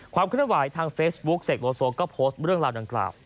ความขึ้นหวายทางเฟซบุ๊กเสกโลโซก็โพสตเรื่องราวดังกล่าว